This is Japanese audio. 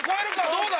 どうだ？